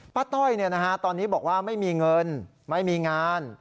ป้าต้อยเนี่ยนะฮะตอนนี้บอกว่าไม่มีเงินไม่มีงาน